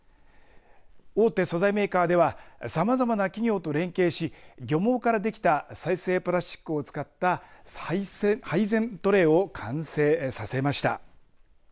大手素材メーカーではさまざまな企業と連携し漁網からできた再生プラスチックを使った配膳トレーを完成させました。